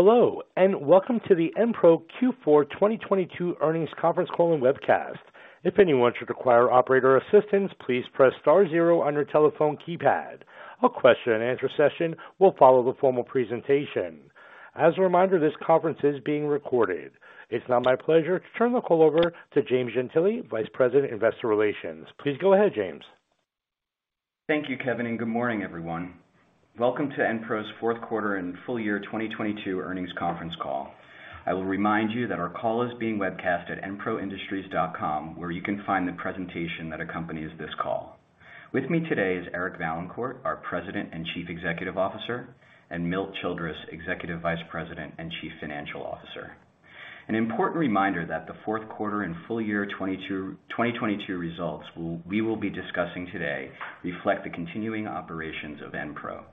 Hello, welcome to the Enpro Q4 2022 Earnings Conference Call and Webcast. If anyone should require operator assistance, please press Star Zero on your telephone keypad. A question and answer session will follow the formal presentation. As a reminder, this conference is being recorded. It's now my pleasure to turn the call over to James Gentile, Vice President, Investor Relations. Please go ahead, James. Thank you, Kevin, and good morning, everyone. Welcome to Enpro's fourth quarter and full year 2022 earnings conference call. I will remind you that our call is being webcast at enproindustries.com, where you can find the presentation that accompanies this call. With me today is Eric Vaillancourt, our President and Chief Executive Officer, and Milt Childress, Executive Vice President and Chief Financial Officer. An important reminder that the fourth quarter and full year 2022 results we will be discussing today reflect the continuing operations of Enpro.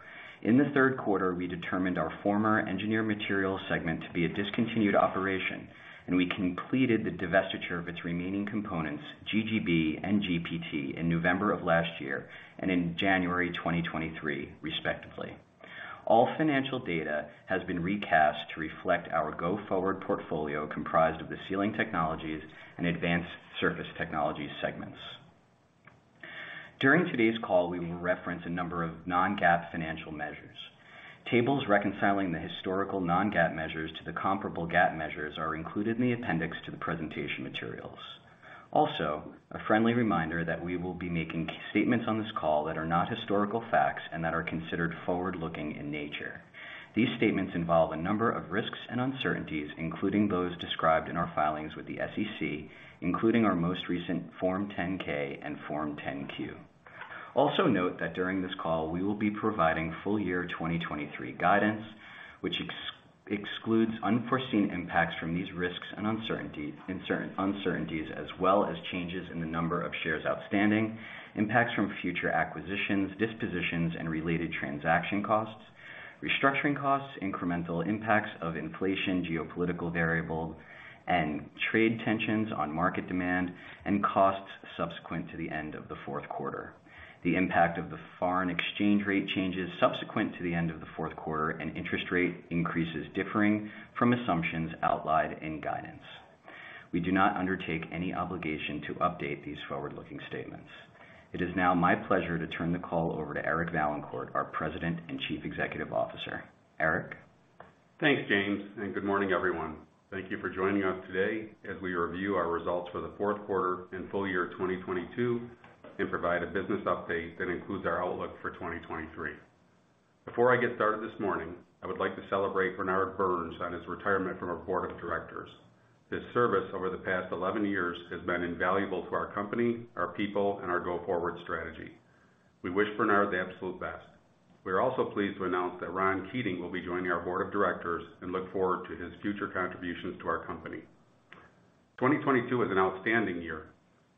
In the third quarter, we determined our former Engineered Materials segment to be a discontinued operation, and we completed the divestiture of its remaining components, GGB and GPT, in November of last year and in January 2023, respectively. All financial data has been recast to reflect our go-forward portfolio comprised of the Sealing Technologies and Advanced Surface Technologies segments. During today's call, we will reference a number of non-GAAP financial measures. Tables reconciling the historical non-GAAP measures to the comparable GAAP measures are included in the appendix to the presentation materials. A friendly reminder that we will be making statements on this call that are not historical facts and that are considered forward-looking in nature. These statements involve a number of risks and uncertainties, including those described in our filings with the SEC, including our most recent Form 10-K and Form 10-Q. Also note that during this call, we will be providing full year 2023 guidance, which excludes unforeseen impacts from these risks and uncertainties, as well as changes in the number of shares outstanding, impacts from future acquisitions, dispositions, and related transaction costs, restructuring costs, incremental impacts of inflation, geopolitical variable, and trade tensions on market demand, and costs subsequent to the end of the fourth quarter. The impact of the foreign exchange rate changes subsequent to the end of the fourth quarter and interest rate increases differing from assumptions outlined in guidance. We do not undertake any obligation to update these forward-looking statements. It is now my pleasure to turn the call over to Eric Vaillancourt, our President and Chief Executive Officer. Eric? Thanks, James. Good morning, everyone. Thank you for joining us today as we review our results for the fourth quarter and full year 2022 and provide a business update that includes our outlook for 2023. Before I get started this morning, I would like to celebrate Bernard Burns on his retirement from our board of directors. His service over the past 11 years has been invaluable to our company, our people, and our go-forward strategy. We wish Bernard the absolute best. We are also pleased to announce that Ron Keating will be joining our board of directors and look forward to his future contributions to our company. 2022 was an outstanding year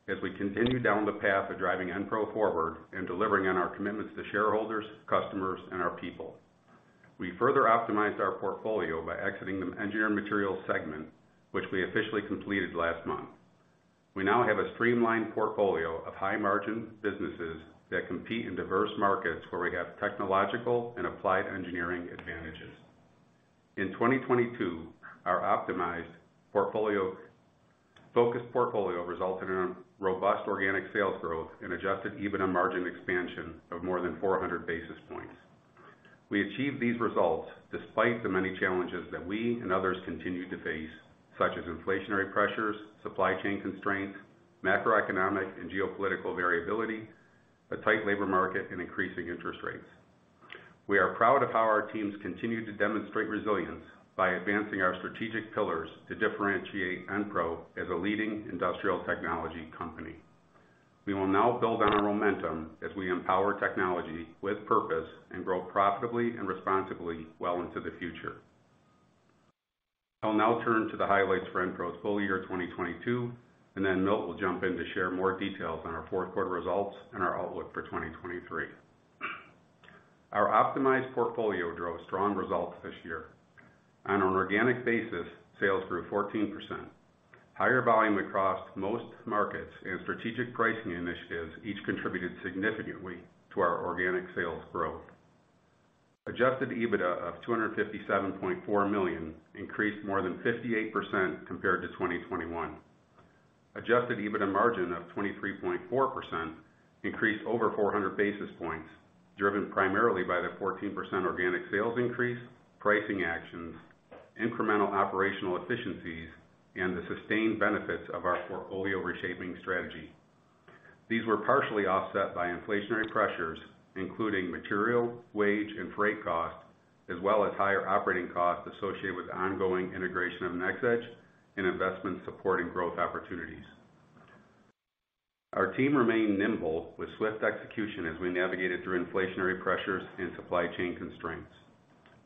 as we continue down the path of driving Enpro forward and delivering on our commitments to shareholders, customers, and our people. We further optimized our portfolio by exiting the Engineered Materials segment, which we officially completed last month. We now have a streamlined portfolio of high-margin businesses that compete in diverse markets where we have technological and applied engineering advantages. In 2022, our optimized focused portfolio resulted in a robust organic sales growth and Adjusted EBITDA margin expansion of more than 400 basis points. We achieved these results despite the many challenges that we and others continued to face, such as inflationary pressures, supply chain constraints, macroeconomic and geopolitical variability, a tight labor market, and increasing interest rates. We are proud of how our teams continued to demonstrate resilience by advancing our strategic pillars to differentiate Enpro as a leading industrial technology company. We will now build on our momentum as we empower technology with purpose and grow profitably and responsibly well into the future. I'll now turn to the highlights for Enpro's full year 2022. Milt will jump in to share more details on our fourth quarter results and our outlook for 2023. Our optimized portfolio drove strong results this year. On an organic basis, sales grew 14%. Higher volume across most markets and strategic pricing initiatives each contributed significantly to our organic sales growth. Adjusted EBITDA of $257.4 million increased more than 58% compared to 2021. Adjusted EBITDA margin of 23.4% increased over 400 basis points, driven primarily by the 14% organic sales increase, pricing actions, incremental operational efficiencies, and the sustained benefits of our portfolio reshaping strategy. These were partially offset by inflationary pressures, including material, wage, and freight costs, as well as higher operating costs associated with ongoing integration of NxEdge and investment support and growth opportunities. Our team remained nimble with swift execution as we navigated through inflationary pressures and supply chain constraints.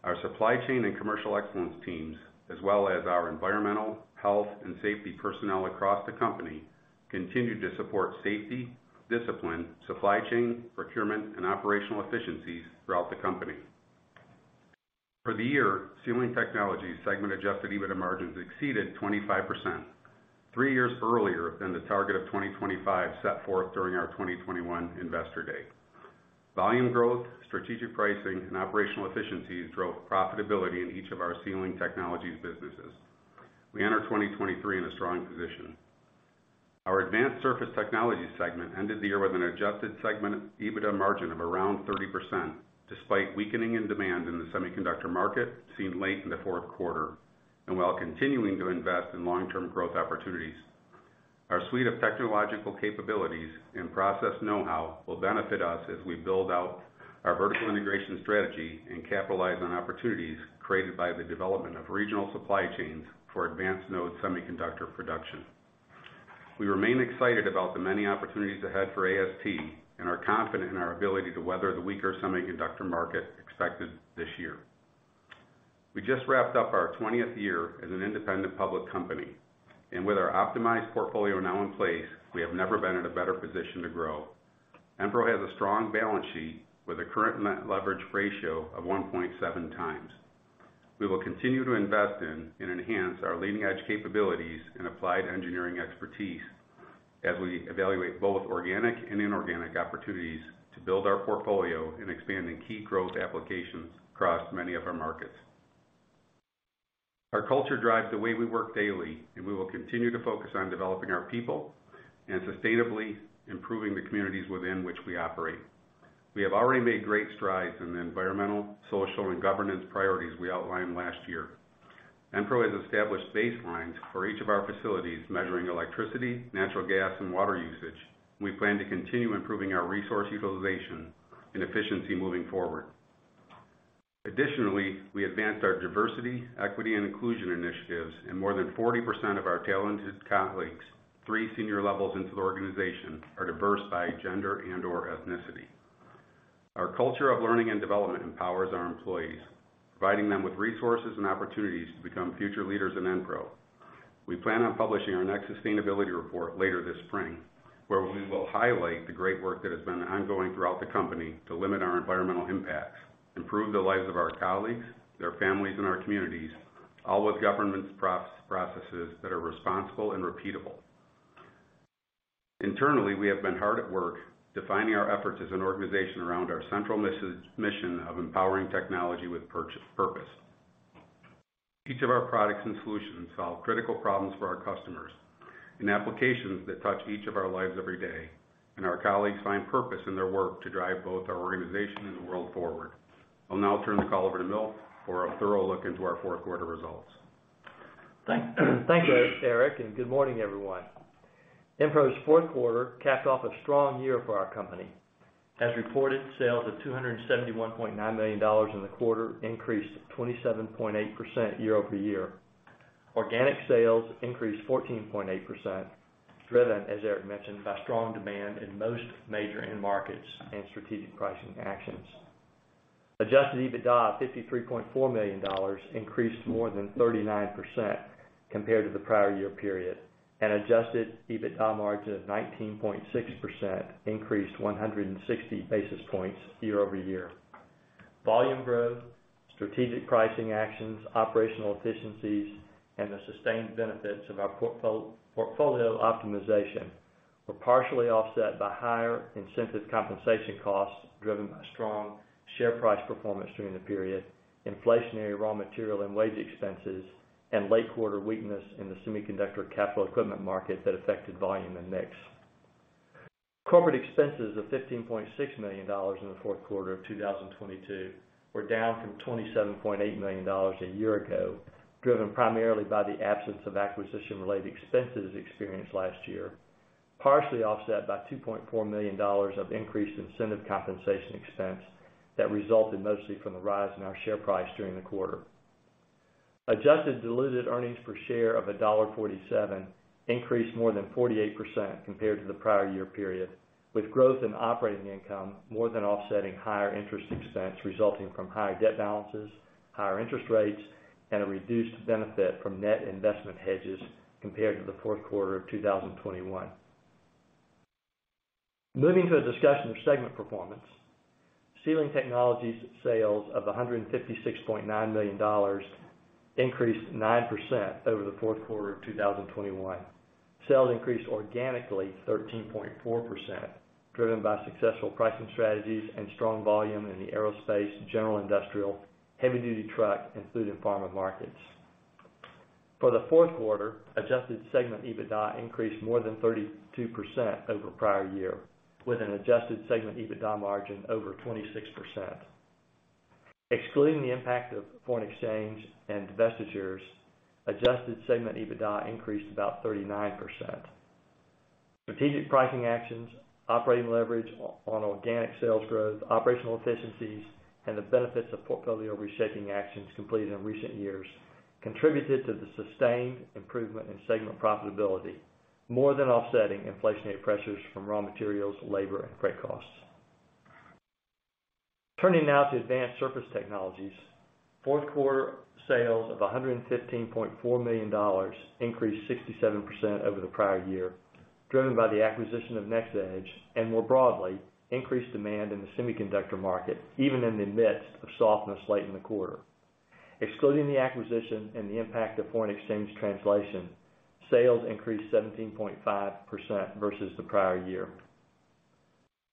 Our supply chain and commercial excellence teams, as well as our environmental, health, and safety personnel across the company, continued to support safety, discipline, supply chain, procurement, and operational efficiencies throughout the company. For the year, Sealing Technologies segment Adjusted EBITDA margins exceeded 25%, three years earlier than the target of 2025 set forth during our 2021 Investor Day. Volume growth, strategic pricing, and operational efficiencies drove profitability in each of our Sealing Technologies businesses. We enter 2023 in a strong position. Our Advanced Surface Technologies segment ended the year with an Adjusted segment EBITDA margin of around 30%, despite weakening in demand in the semiconductor market seen late in the fourth quarter, and while continuing to invest in long-term growth opportunities. Our suite of technological capabilities and process know-how will benefit us as we build out our vertical integration strategy and capitalize on opportunities created by the development of regional supply chains for advanced node semiconductor production. We remain excited about the many opportunities ahead for AST and are confident in our ability to weather the weaker semiconductor market expected this year. We just wrapped up our 20th year as an independent public company, and with our optimized portfolio now in place, we have never been in a better position to grow. Enpro has a strong balance sheet with a current net leverage ratio of 1.7x. We will continue to invest in and enhance our leading-edge capabilities and applied engineering expertise as we evaluate both organic and inorganic opportunities to build our portfolio in expanding key growth applications across many of our markets. Our culture drives the way we work daily, and we will continue to focus on developing our people and sustainably improving the communities within which we operate. We have already made great strides in the environmental, social, and governance priorities we outlined last year. Enpro has established baselines for each of our facilities measuring electricity, natural gas, and water usage. We plan to continue improving our resource utilization and efficiency moving forward. Additionally, we advanced our diversity, equity, and inclusion initiatives, and more than 40% of our talented colleagues, three senior levels into the organization, are diverse by gender and/or ethnicity. Our culture of learning and development empowers our employees, providing them with resources and opportunities to become future leaders in Enpro. We plan on publishing our next sustainability report later this spring, where we will highlight the great work that has been ongoing throughout the company to limit our environmental impacts, improve the lives of our colleagues, their families, and our communities, all with governance processes that are responsible and repeatable. Internally, we have been hard at work defining our efforts as an organization around our central mission of empowering technology with purpose. Each of our products and solutions solve critical problems for our customers in applications that touch each of our lives every day, and our colleagues find purpose in their work to drive both our organization and the world forward. I'll now turn the call over to Milt for a thorough look into our fourth quarter results. Thank you, Eric. Good morning, everyone. Enpro's fourth quarter capped off a strong year for our company. As reported, sales of $271.9 million in the quarter increased 27.8% year-over-year. Organic sales increased 14.8%, driven, as Eric mentioned, by strong demand in most major end markets and strategic pricing actions. Adjusted EBITDA of $53.4 million increased more than 39% compared to the prior year period. Adjusted EBITDA margin of 19.6% increased 160 basis points year-over-year. Volume growth, strategic pricing actions, operational efficiencies, and the sustained benefits of our portfolio optimization were partially offset by higher incentive compensation costs, driven by strong share price performance during the period, inflationary raw material and wage expenses, and late quarter weakness in the semiconductor capital equipment market that affected volume and mix. Corporate expenses of $15.6 million in the fourth quarter of 2022 were down from $27.8 million a year ago, driven primarily by the absence of acquisition-related expenses experienced last year, partially offset by $2.4 million of increased incentive compensation expense that resulted mostly from the rise in our share price during the quarter. Adjusted diluted earnings per share of $1.47 increased more than 48% compared to the prior year period, with growth in operating income more than offsetting higher interest expense resulting from higher debt balances, higher interest rates, and a reduced benefit from net investment hedges compared to the fourth quarter of 2021. Moving to a discussion of segment performance. Sealing Technologies sales of $156.9 million increased 9% over the fourth quarter of 2021. Sales increased organically 13.4%, driven by successful pricing strategies and strong volume in the aerospace, general industrial, heavy-duty truck, and food and pharma markets. For the fourth quarter, adjusted segment EBITDA increased more than 32% over prior year, with an Adjusted segment EBITDA margin over 26%. Excluding the impact of foreign exchange and divestitures, Adjusted segment EBITDA increased about 39%. Strategic pricing actions, operating leverage on organic sales growth, operational efficiencies, and the benefits of portfolio reshaping actions completed in recent years contributed to the sustained improvement in segment profitability, more than offsetting inflationary pressures from raw materials, labor, and freight costs. Turning now to Advanced Surface Technologies. Fourth quarter sales of $115.4 million increased 67% over the prior year, driven by the acquisition of NxEdge and more broadly, increased demand in the semiconductor market, even in the midst of softness late in the quarter. Excluding the acquisition and the impact of foreign exchange translation, sales increased 17.5% versus the prior year.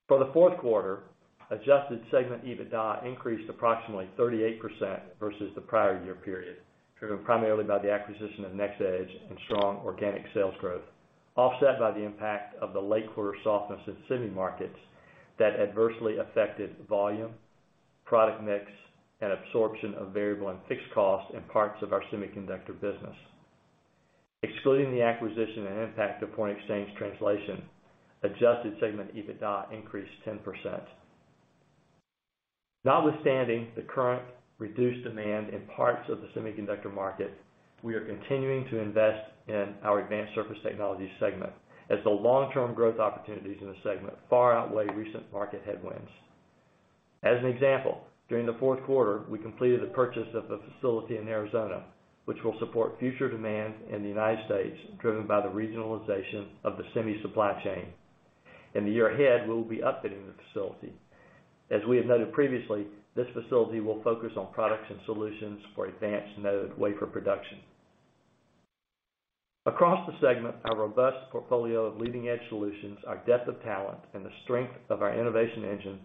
For the fourth quarter, Adjusted segment EBITDA increased approximately 38% versus the prior year period, driven primarily by the acquisition of NxEdge and strong organic sales growth, offset by the impact of the late quarter softness in semi markets that adversely affected volume, product mix, and absorption of variable and fixed costs in parts of our semiconductor business. Excluding the acquisition and impact of foreign exchange translation, Adjusted segment EBITDA increased 10%. Notwithstanding the current reduced demand in parts of the semiconductor market, we are continuing to invest in our Advanced Surface Technologies segment as the long-term growth opportunities in the segment far outweigh recent market headwinds. As an example, during the fourth quarter, we completed the purchase of a facility in Arizona, which will support future demand in the United States, driven by the regionalization of the semi supply chain. In the year ahead, we will be upfitting the facility. As we have noted previously, this facility will focus on products and solutions for advanced node wafer production. Across the segment, our robust portfolio of leading-edge solutions, our depth of talent, and the strength of our innovation engine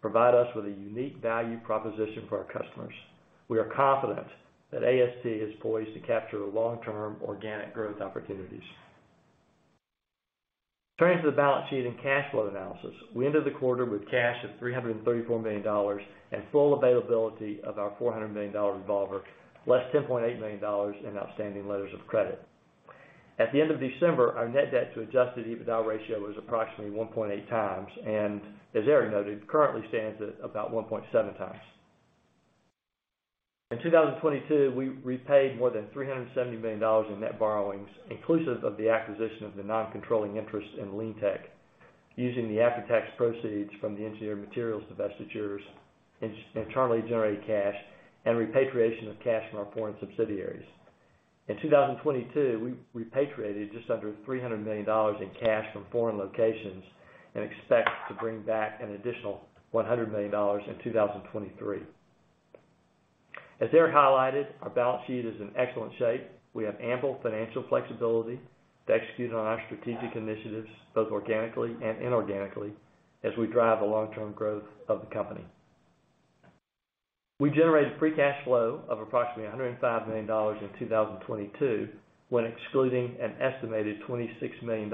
provide us with a unique value proposition for our customers. We are confident that AST is poised to capture long-term organic growth opportunities. Turning to the balance sheet and cash flow analysis, we ended the quarter with cash of $334 million and full availability of our $400 million revolver, less $10.8 million in outstanding letters of credit. At the end of December, our net debt to Adjusted EBITDA ratio was approximately 1.8x and, as Eric noted, currently stands at about 1.7x. In 2022, we repaid more than $370 million in net borrowings, inclusive of the acquisition of the non-controlling interest in LeanTeq, using the after-tax proceeds from the Engineered Materials divestitures, internally generated cash, and repatriation of cash from our foreign subsidiaries. In 2022, we repatriated just under $300 million in cash from foreign locations and expect to bring back an additional $100 million in 2023. As Eric highlighted, our balance sheet is in excellent shape. We have ample financial flexibility to execute on our strategic initiatives, both organically and inorganically, as we drive the long-term growth of the company. We generated free cash flow of approximately $105 million in 2022, when excluding an estimated $26 million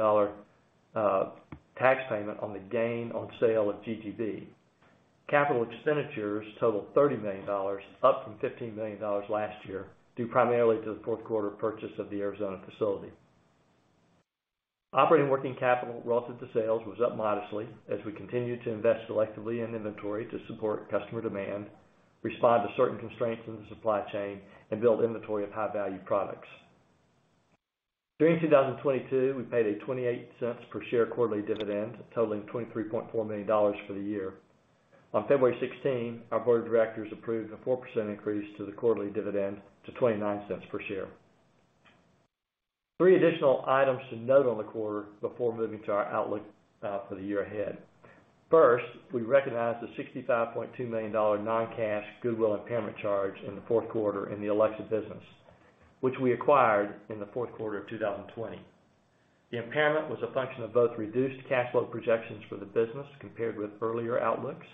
tax payment on the gain on sale of GGB. Capital expenditures totaled $30 million, up from $15 million last year, due primarily to the fourth quarter purchase of the Arizona facility. Operating working capital relative to sales was up modestly as we continued to invest selectively in inventory to support customer demand, respond to certain constraints in the supply chain, and build inventory of high-value products. During 2022, we paid a $0.28 per share quarterly dividend, totaling $23.4 million for the year. On February 16, our board of directors approved a 4% increase to the quarterly dividend to $0.29 per share. Three additional items to note on the quarter before moving to our outlook for the year ahead. First, we recognized a $65.2 million non-cash goodwill impairment charge in the fourth quarter in the Alluxa business, which we acquired in the fourth quarter of 2020. The impairment was a function of both reduced cash flow projections for the business compared with earlier outlooks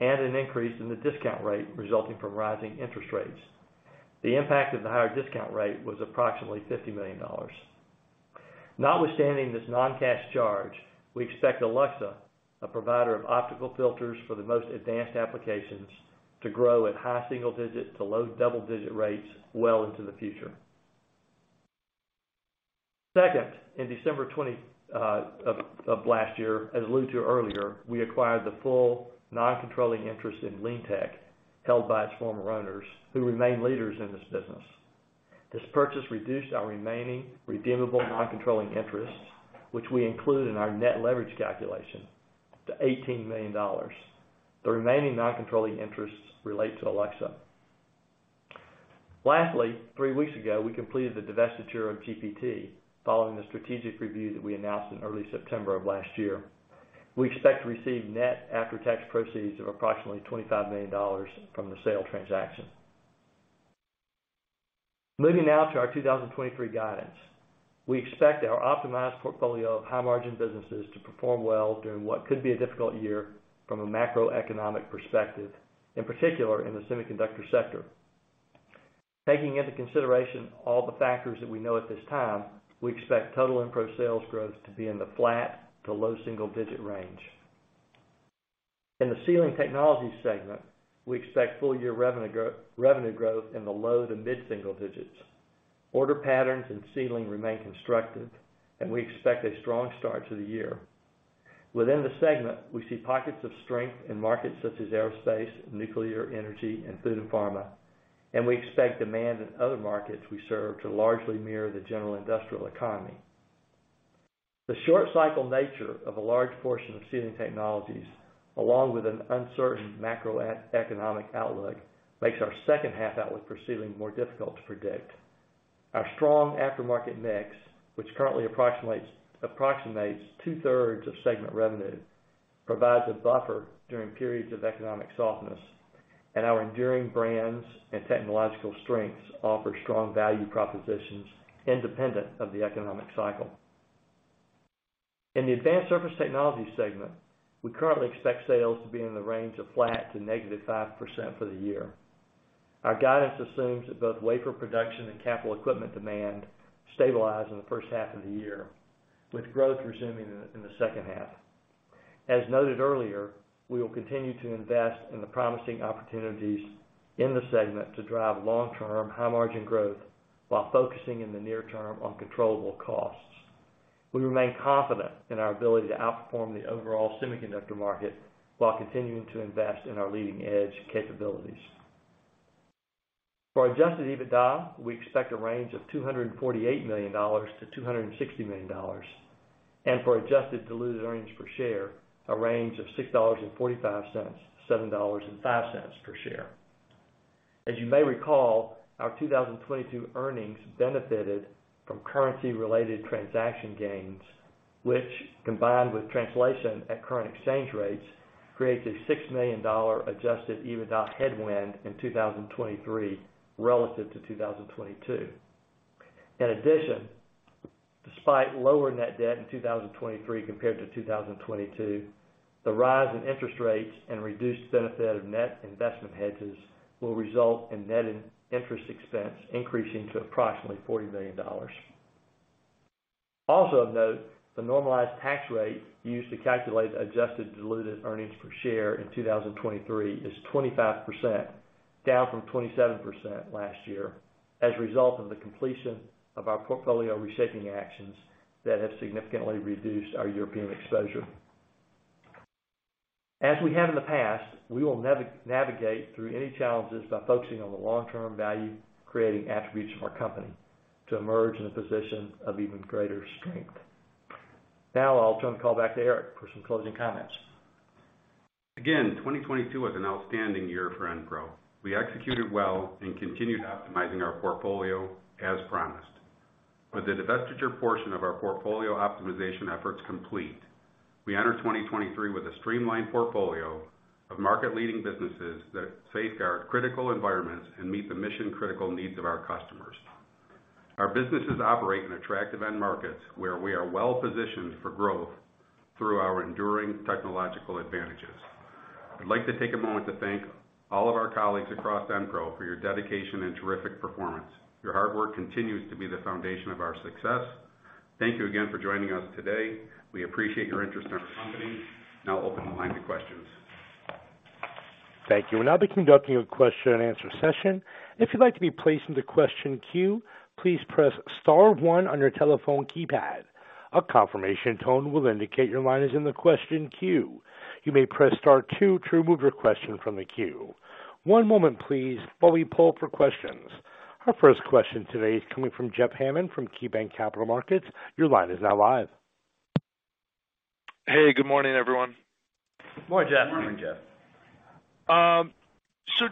and an increase in the discount rate resulting from rising interest rates. The impact of the higher discount rate was approximately $50 million. Notwithstanding this non-cash charge, we expect Alluxa, a provider of optical filters for the most advanced applications, to grow at high single-digit to low double-digit rates well into the future. Second, in December of last year, as alluded to earlier, we acquired the full non-controlling interest in LeanTeq, held by its former owners, who remain leaders in this business. This purchase reduced our remaining redeemable non-controlling interest, which we include in our net leverage calculation, to $18 million. The remaining non-controlling interests relate to Alluxa. Lastly, three weeks ago, we completed the divestiture of GPT following the strategic review that we announced in early September of last year. We expect to receive net after-tax proceeds of approximately $25 million from the sale transaction. Moving now to our 2023 guidance. We expect our optimized portfolio of high-margin businesses to perform well during what could be a difficult year from a macroeconomic perspective, in particular in the semiconductor sector. Taking into consideration all the factors that we know at this time, we expect total Enpro sales growth to be in the flat to low single-digit range. In the Sealing Technologies segment, we expect full year revenue growth in the low to mid-single digits. Order patterns in Sealing remain constructive. We expect a strong start to the year. Within the segment, we see pockets of strength in markets such as aerospace, nuclear, energy, and food and pharma. We expect demand in other markets we serve to largely mirror the general industrial economy. The short cycle nature of a large portion of Sealing Technologies, along with an uncertain macroeconomic outlook, makes our second half outlook for Sealing more difficult to predict. Our strong aftermarket mix, which currently approximates two-thirds of segment revenue, provides a buffer during periods of economic softness. Our enduring brands and technological strengths offer strong value propositions independent of the economic cycle. In the Advanced Surface Technologies segment, we currently expect sales to be in the range of flat to negative 5% for the year. Our guidance assumes that both wafer production and capital equipment demand stabilize in the first half of the year, with growth resuming in the second half. As noted earlier, we will continue to invest in the promising opportunities in the segment to drive long-term high-margin growth while focusing in the near term on controllable costs. We remain confident in our ability to outperform the overall semiconductor market while continuing to invest in our leading-edge capabilities. For Adjusted EBITDA, we expect a range of $248 million-$260 million. For adjusted diluted earnings per share, a range of $6.45-$7.05 per share. As you may recall, our 2022 earnings benefited from currency-related transaction gains, which, combined with translation at current exchange rate, creates a $6 million Adjusted EBITDA headwind in 2023 relative to 2022. In addition, despite lower net debt in 2023 compared to 2022, the rise in interest rates and reduced benefit of net investment hedges will result in netted interest expense increasing to approximately $40 million. Also of note, the normalized tax rate used to calculate the adjusted diluted earnings per share in 2023 is 25%, down from 27% last year as a result of the completion of our portfolio reshaping actions that have significantly reduced our European exposure. As we have in the past, we will navigate through any challenges by focusing on the long-term value, creating attributes for our company to emerge in a position of even greater strength. Now, I'll turn the call back to Eric for some closing comments. 2022 was an outstanding year for Enpro. We executed well and continued optimizing our portfolio as promised. With the divestiture portion of our portfolio optimization efforts complete, we enter 2023 with a streamlined portfolio of market-leading businesses that safeguard critical environments and meet the mission-critical needs of our customers. Our businesses operate in attractive end markets, where we are well positioned for growth through our enduring technological advantages. I'd like to take a moment to thank all of our colleagues across Enpro for your dedication and terrific performance. Your hard work continues to be the foundation of our success. Thank you again for joining us today. We appreciate your interest in our company. Open the line to questions. Thank you. We'll now be conducting a question-and-answer session. If you'd like to be placed into question queue, please press Star One on your telephone keypad. A confirmation tone will indicate your line is in the question queue. You may press Star Two to remove your question from the queue. One moment please while we poll for questions. Our first question today is coming from Jeff Hammond from KeyBanc Capital Markets. Your line is now live. Hey, good morning, everyone. Good morning, Jeff. Morning, Jeff.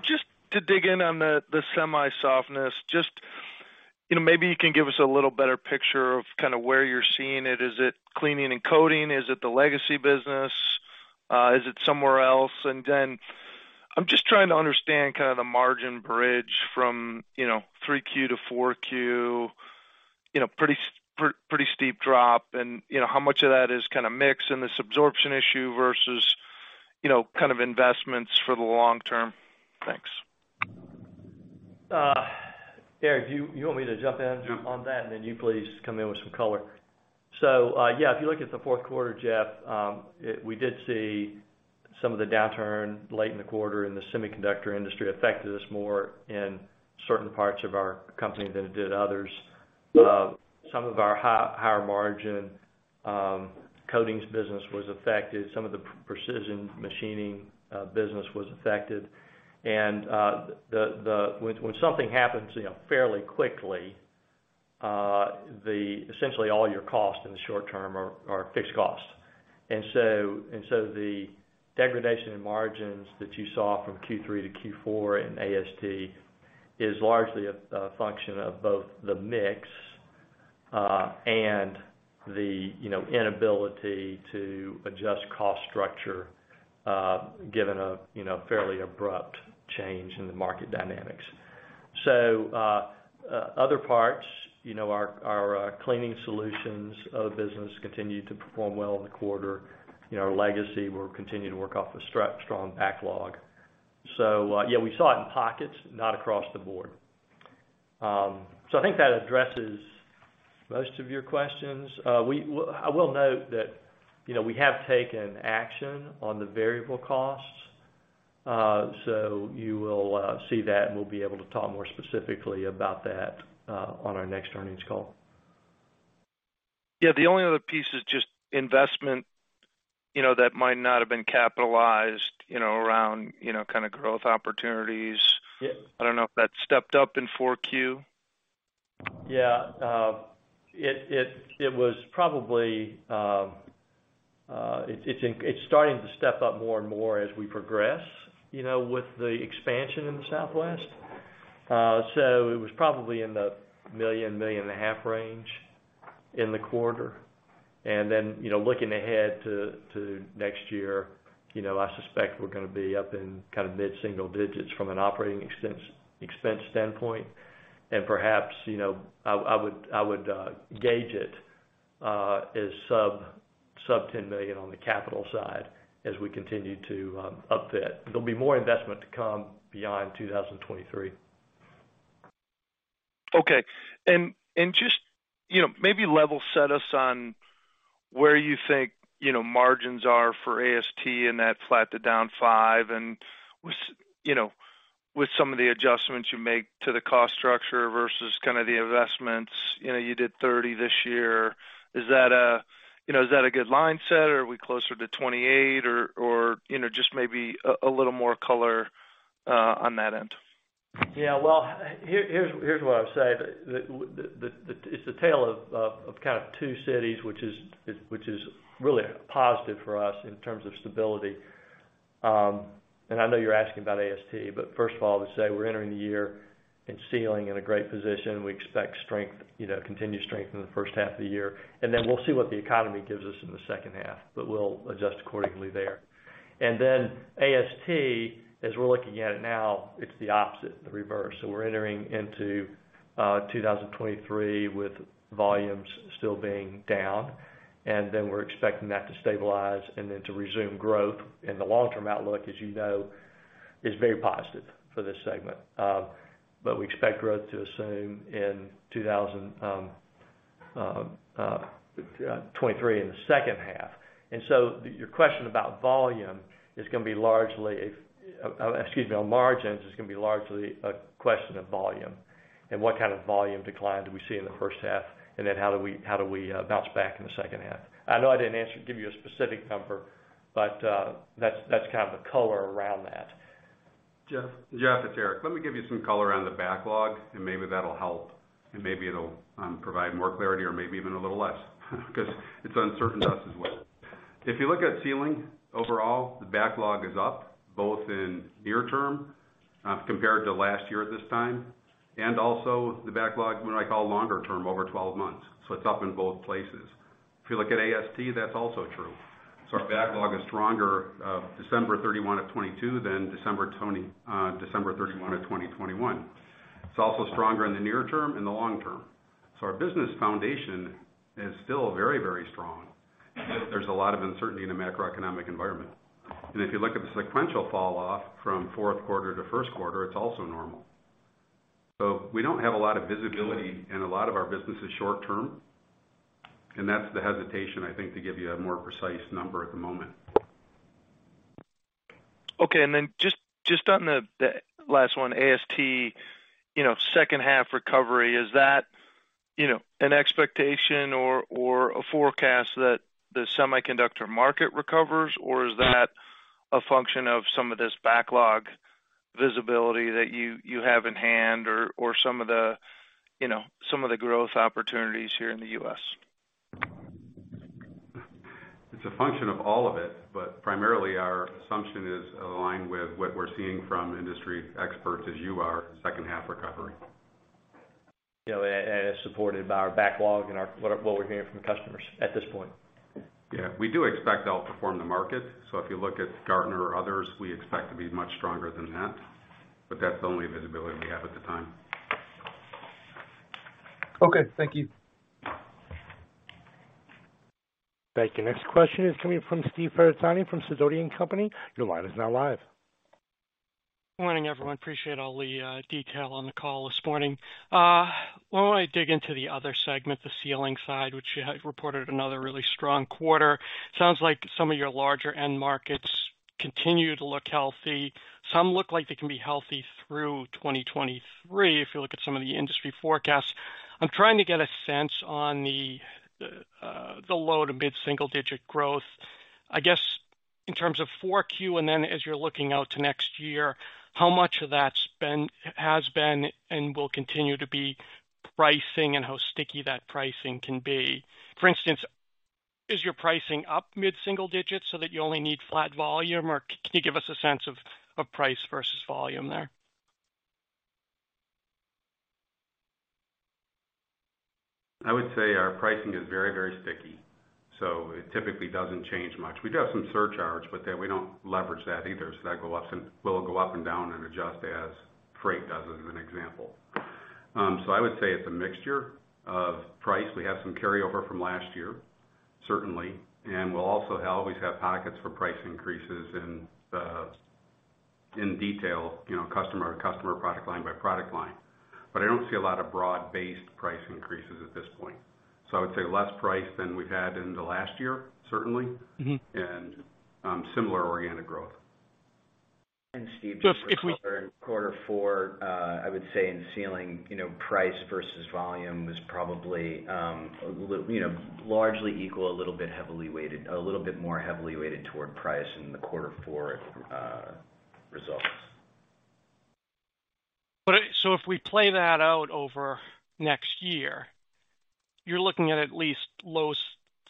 Just to dig in on the semi softness, just, you know, maybe you can give us a little better picture of kind of where you're seeing it. Is it cleaning and coating? Is it the legacy business? Is it somewhere else? Then I'm just trying to understand kind of the margin bridge from, you know, 3Q to 4Q, you know, pretty steep drop and, you know, how much of that is kind of mixed in this absorption issue versus, you know, kind of investments for the long term. Thanks. Eric, do you want me to jump in? Yeah. On that, then you please come in with some color. Yeah, if you look at the fourth quarter, Jeff, we did see some of the downturn late in the quarter and the semiconductor industry affected us more in certain parts of our company than it did others. Some of our higher margin coatings business was affected. Some of the precision machining business was affected. When something happens, you know, fairly quickly, Essentially all your costs in the short term are fixed costs. So the degradation in margins that you saw from Q3 to Q4 in AST is largely a function of both the mix, and the, you know, inability to adjust cost structure, given a, you know, fairly abrupt change in the market dynamics. Other parts, you know, our cleaning solutions business continued to perform well in the quarter. You know, our legacy, we're continuing to work off a strong backlog. Yeah, we saw it in pockets, not across the board. I think that addresses most of your questions. I will note that, you know, we have taken action on the variable costs, so you will see that and we'll be able to talk more specifically about that on our next earnings call. Yeah. The only other piece is just investment, you know, that might not have been capitalized, you know, around, you know, kind of growth opportunities. Yeah. I don't know if that stepped up in 4Q. Yeah. It's starting to step up more and more as we progress, you know, with the expansion in the Southwest. It was probably in the $1 million-$1.5 million range in the quarter. You know, looking ahead to next year, you know, I suspect we're gonna be up in kind of mid-single digits from an operating expense standpoint. Perhaps, you know, I would gauge it as sub-$10 million on the capital side as we continue to upfit. There'll be more investment to come beyond 2023. Okay. Just, you know, maybe level set us on where you think, you know, margins are for AST in that flat to down 5% and with, you know, with some of the adjustments you make to the cost structure versus kind of the investments. You know, you did 30% this year. Is that a, you know, is that a good line set or are we closer to 28% or, you know, just maybe a little more color on that end? Yeah. Well, here's what I would say. It's a tale of kind of two cities which is really positive for us in terms of stability. I know you're asking about AST, but first of all, I would say we're entering the year in Sealing in a great position. We expect strength, you know, continued strength in the first half of the year. Then we'll see what the economy gives us in the second half, but we'll adjust accordingly there. Then AST, as we're looking at it now, it's the opposite, the reverse. We're entering into 2023 with volumes still being down, then we're expecting that to stabilize and then to resume growth. The long-term outlook, as you know, is very positive for this segment. We expect growth to assume in 2023 in the second half. Your question about volume is gonna be largely, excuse me, on margins is gonna be largely a question of volume and what kind of volume decline do we see in the first half, and then how do we bounce back in the second half. I know I didn't answer give you a specific number, but, that's kind of the color around that. Jeff, it's Eric. Let me give you some color on the backlog, and maybe that'll help, and maybe it'll provide more clarity or maybe even a little less 'cause it's uncertain to us as well. If you look at Sealing overall, the backlog is up, both in near term, compared to last year at this time, and also the backlog what I call longer term, over 12 months. It's up in both places. If you look at AST, that's also true. Our backlog is stronger, December 31 of 2022 than December 31 of 2021. It's also stronger in the near term and the long term. Our business foundation is still very, very strong. There's a lot of uncertainty in the macroeconomic environment. If you look at the sequential fall off from fourth quarter to first quarter, it's also normal. We don't have a lot of visibility in a lot of our businesses short term, and that's the hesitation, I think, to give you a more precise number at the moment. Okay. Just on the last one, AST, you know, second half recovery, is that, you know, an expectation or a forecast that the semiconductor market recovers, or is that a function of some of this backlog visibility that you have in hand or some of the, you know, some of the growth opportunities here in the U.S.? It's a function of all of it, but primarily our assumption is aligned with what we're seeing from industry experts as you are second half recovery. You know, and it's supported by our backlog and our what we're hearing from customers at this point. Yeah. We do expect to outperform the market. If you look at Gartner or others, we expect to be much stronger than that, but that's the only visibility we have at the time. Okay. Thank you. Thank you. Next question is coming from Steve Ferazani from Sidoti & Company. Your line is now live. Morning, everyone. Appreciate all the detail on the call this morning. Why don't I dig into the other segment, the Sealing side, which you have reported another really strong quarter. Sounds like some of your larger end markets continue to look healthy. Some look like they can be healthy through 2023 if you look at some of the industry forecasts. I'm trying to get a sense on the low to mid-single digit growth. I guess in terms of 4Q, as you're looking out to next year, how much of that spend has been and will continue to be pricing and how sticky that pricing can be? For instance, is your pricing up mid-single digits so that you only need flat volume or can you give us a sense of price versus volume there? I would say our pricing is very, very sticky, so it typically doesn't change much. We do have some surcharges, but then we don't leverage that either. That will go up and down and adjust as freight does, as an example. I would say it's a mixture of price. We have some carryover from last year, certainly, and we'll also always have pockets for price increases in detail, you know, customer to customer, product line by product line. I don't see a lot of broad-based price increases at this point. I would say less price than we've had in the last year, certainly. Mm-hmm. Similar organic growth. Steve. Just. Just for color, in quarter four, I would say in Sealing, you know, price versus volume was probably, you know, largely equal, a little bit more heavily weighted toward price in the quarter four results. If we play that out over next year, you're looking at least, low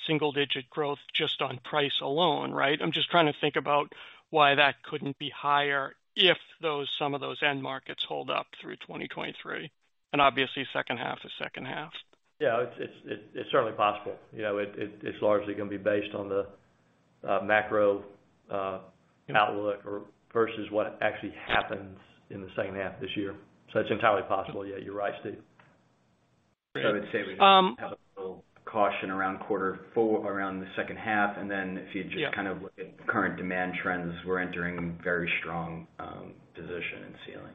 single-digit growth just on price alone, right? I'm just trying to think about why that couldn't be higher if those, some of those end markets hold up through 2023. Obviously, second half to second half. Yeah. It's certainly possible. You know, it's largely gonna be based on the macro outlook or versus what actually happens in the second half of this year. It's entirely possible. Yeah, you're right, Steve. I would say we have a little caution around quarter full around the second half, and then if you just kind of look at current demand trends, we're entering very strong position in Sealing.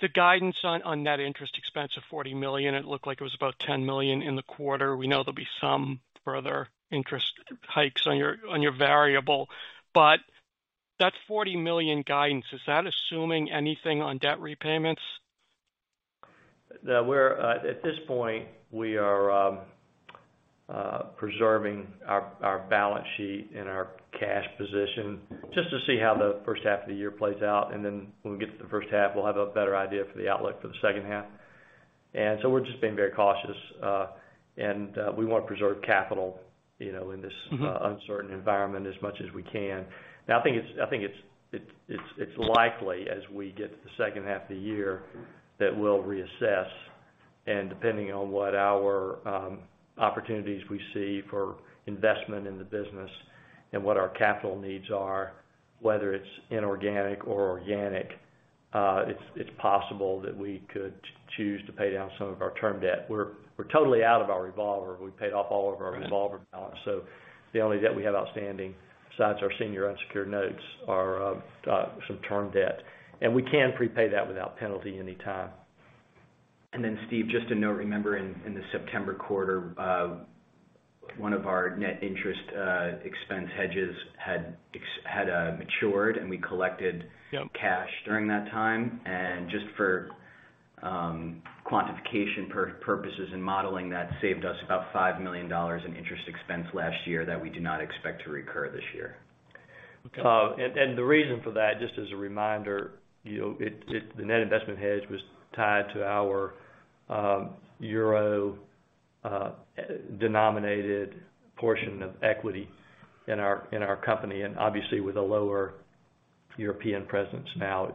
The guidance on net interest expense of $40 million, it looked like it was about $10 million in the quarter. We know there'll be some further interest hikes on your variable, but that $40 million guidance, is that assuming anything on debt repayments? No, at this point, we are preserving our balance sheet and our cash position just to see how the first half of the year plays out. When we get to the first half, we'll have a better idea for the outlook for the second half. We're just being very cautious, and we wanna preserve capital, you know, in this. Mm-hmm... Uncertain environment as much as we can. I think it's likely as we get to the second half of the year that we'll reassess. Depending on what our opportunities we see for investment in the business and what our capital needs are, whether it's inorganic or organic, it's possible that we could choose to pay down some of our term debt. We're totally out of our revolver. We paid off all of our revolver balance. The only debt we have outstanding besides our senior unsecured notes are some term debt. We can prepay that without penalty any time. Steve, just a note. Remember in the September quarter, one of our net interest expense hedges had matured, and we collected. Yep cash during that time. Just for quantification purposes and modeling, that saved us about $5 million in interest expense last year that we do not expect to recur this year. Okay. The reason for that, just as a reminder, you know, the net investment hedge was tied to our euro denominated portion of equity in our company. Obviously, with a lower European presence now,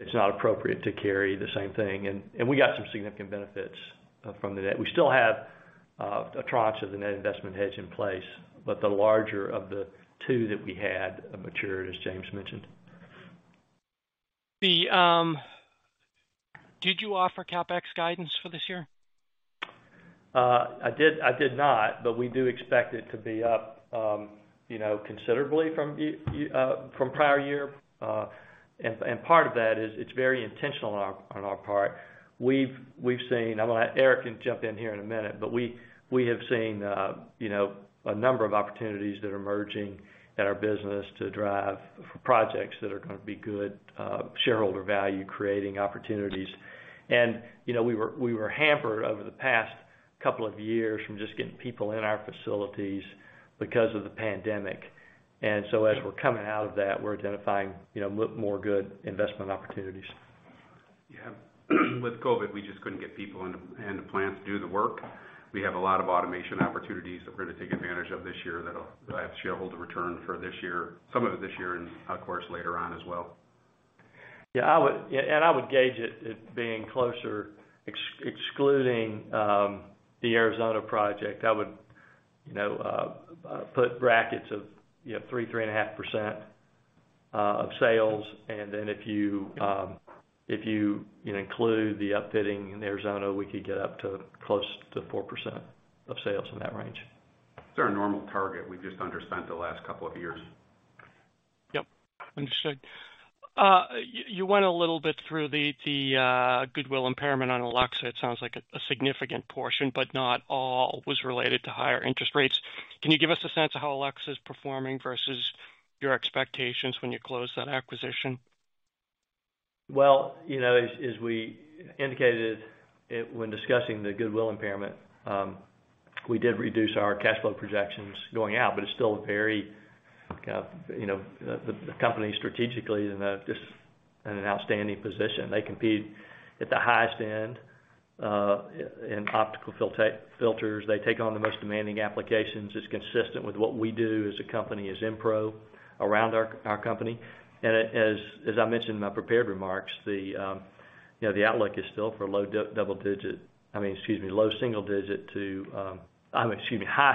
it's not appropriate to carry the same thing. We got some significant benefits, from the net. We still have, a tranche of the net investment hedge in place, but the larger of the two that we had matured, as James mentioned. Did you offer CapEx guidance for this year? I did not, but we do expect it to be up, you know, considerably from prior year. Part of that is it's very intentional on our part. I'm gonna let Eric can jump in here in a minute, but we have seen, you know, a number of opportunities that are emerging at our business to drive for projects that are gonna be good, shareholder value creating opportunities. You know, we were hampered over the past couple of years from just getting people in our facilities because of the pandemic. So as we're coming out of that, we're identifying, you know, more good investment opportunities. With COVID, we just couldn't get people in the plant to do the work. We have a lot of automation opportunities that we're gonna take advantage of this year that'll drive shareholder return for this year, some of it this year and of course, later on as well. Yeah, I would... Yeah, and I would gauge it as being closer excluding the Arizona project. I would, you know, put brackets of, you know, 3-3.5% of sales. If you, if you include the upfitting in Arizona, we could get up to close to 4% of sales in that range. It's our normal target. We just underspent the last couple of years. Yep. Understood. You went a little bit through the goodwill impairment on Alluxa. It sounds like a significant portion, but not all was related to higher interest rates. Can you give us a sense of how Alluxa is performing versus your expectations when you closed that acquisition? you know, as we indicated it when discussing the goodwill impairment, we did reduce our cash flow projections going out, but it's still a very, you know, the company strategically just in an outstanding position. They compete at the highest end in optical filters. They take on the most demanding applications. It's consistent with what we do as a company, as Enpro, around our company. as I mentioned in my prepared remarks, you know, the outlook is still for low single-digit to high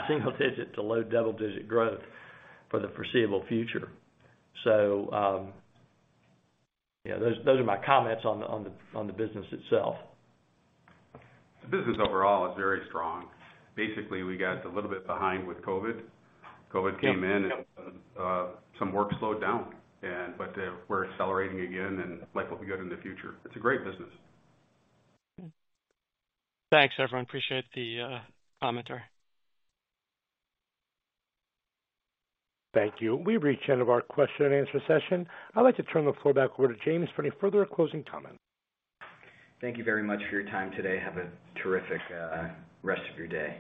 single-digit to low double-digit growth for the foreseeable future. yeah, those are my comments on the business itself. The business overall is very strong. Basically, we got a little bit behind with COVID. COVID came in and, some work slowed down but we're accelerating again and life will be good in the future. It's a great business. Thanks, everyone. Appreciate the commentary. Thank you. We've reached the end of our question and answer session. I'd like to turn the floor back over to James for any further closing comments. Thank you very much for your time today. Have a terrific rest of your day.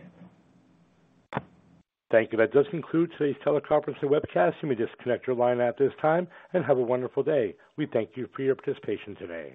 Thank you. That does conclude today's teleconference and webcast. You may disconnect your line at this time and have a wonderful day. We thank you for your participation today.